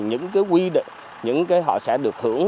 những cái họ sẽ được hưởng